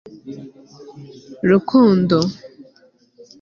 rukundo